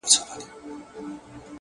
گرا ني خبري سوې پرې نه پوهېږم؛